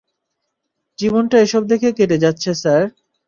জীবনটা এসব দেখে কেটে যাচ্ছে, স্যার!